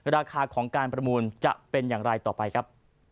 ราคาของการประมูลจะเป็นอย่างไรต่อไปครับ